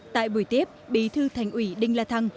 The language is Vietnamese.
tại buổi tiếp bí thư thành ủy đinh la thăng